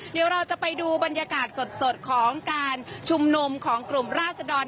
เดี๋ยวเราจะไปดูบรรยากาศสดของการชุมนุมของกลุ่มราศดร